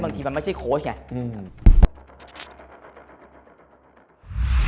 บางทีมันไม่ใช่โค้ชไงอืม